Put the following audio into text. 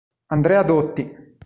Andrea Dotti